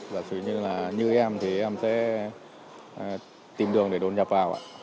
giả sử như là như em thì em sẽ tìm đường để đột nhập vào